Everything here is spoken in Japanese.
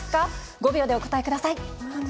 ５秒でお答えください。